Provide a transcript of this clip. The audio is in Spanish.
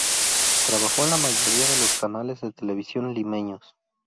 Trabajó en la mayoría de los canales de televisión limeños.